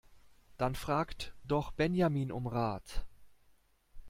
Dann fragt doch Benjamin um Rat!